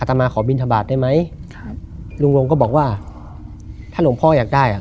ตามมาขอบินทบาทได้ไหมครับลุงลงก็บอกว่าถ้าหลวงพ่ออยากได้อ่ะ